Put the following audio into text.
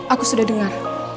aku sudah dengar